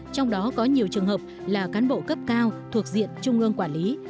trong đó có nhiều trường hợp là cán bộ cấp cao thuộc diện trung ương quản lý